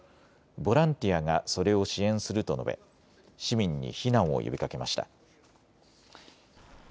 ボランティアがそれを支援すると述べ市民に避難を呼びかけました。